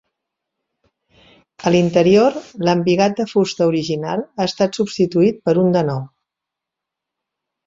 A l'interior, l'embigat de fusta original ha estat substituït per un de nou.